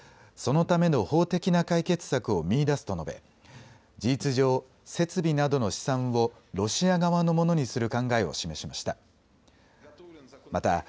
そのための法的な解決策を見いだすと述べ事実上、設備などの資産をロシア側のものにする考えを示しました。